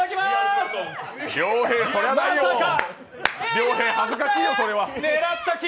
亮平、恥ずかしいよ、それは。